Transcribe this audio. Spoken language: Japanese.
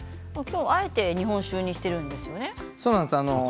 今日はあえて日本酒でしているんですね。